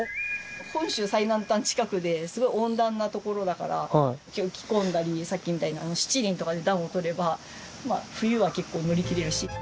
本州最南端近くですごい温暖な所だから着込んだりさっきみたいな七輪とかで暖を取ればまあ冬は結構乗りきれるし。